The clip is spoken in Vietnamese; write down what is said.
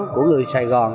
của người sài gòn